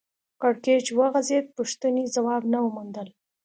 کړکېچ وغځېد پوښتنې ځواب نه موندل